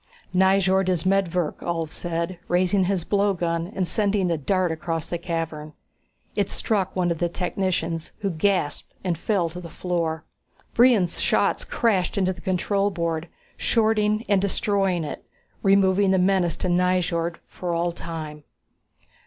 "Nyjord is medvirk," Ulv said, raising his blowgun and sending a dart across the cavern. It struck one of the technicians, who gasped and fell to the floor. Brion's shots crashed into the control board, shorting and destroying it, removing the menace to Nyjord for all time.